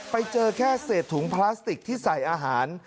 ไปเจอแค่เศษถุงพลาสติกที่ใส่อาหาร